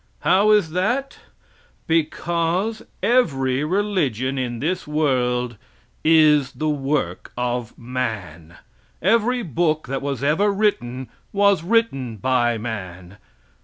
How is that? Because every religion in this world is the work of man. Every book that was ever written was written by man.